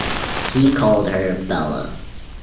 He called her Bella.